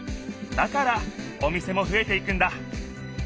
だからお店もふえていくんだ。